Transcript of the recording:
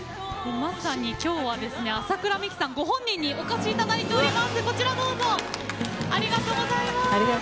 まさに、今日は麻倉未稀さんご本人にお越しいただいております！